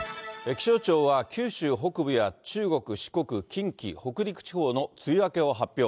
気象庁は、九州北部や中国、四国、近畿、北陸地方の梅雨明けを発表。